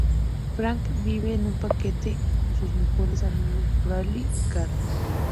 Frank vive en un paquete con sus mejores amigos Barry y Carl.